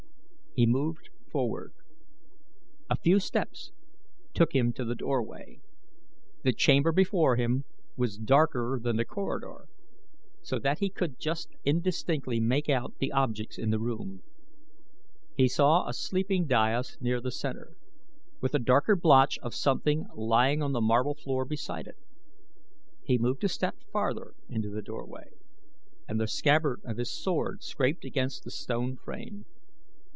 He moved forward. A few steps took him to the doorway. The chamber before him was darker than the corridor, so that he could just indistinctly make out the objects in the room. He saw a sleeping dais near the center, with a darker blotch of something lying on the marble floor beside it. He moved a step farther into the doorway and the scabbard of his sword scraped against the stone frame.